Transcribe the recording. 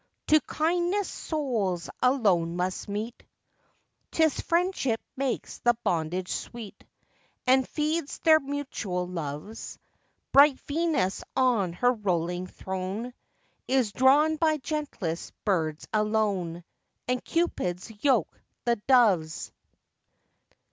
Two kindest souls alone must meet, 'Tis friendship makes the bondage sweet, And feeds their mutual loves: Bright Venus on her rolling throne Is drawn by gentlest birds alone, And Cupids yoke the doves.